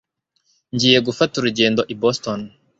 Ngiye gufata urugendo i Boston.